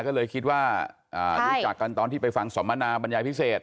ก็เลยคิดว่ารู้จักกันตอนที่ไปฟังสมนาบรรยายพิเศษ